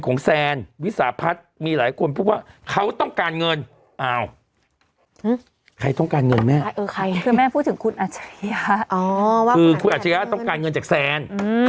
คือกูอาจารย์ถึงต้องการเงินจากแซน